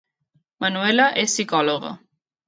Manuela és psicòloga